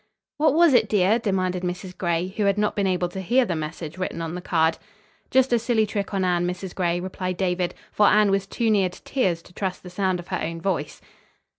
"What was it, dear?" demanded Mrs. Gray, who had not been able to hear the message written on the card. "Just a silly trick on Anne, Mrs. Gray," replied David, for Anne was too near to tears to trust the sound of her own voice.